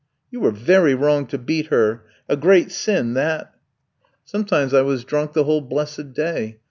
"You were very wrong to beat her; a great sin that?" "Sometimes I was drunk the whole blessed day.